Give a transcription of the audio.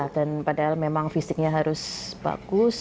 dan padahal memang fisiknya harus bagus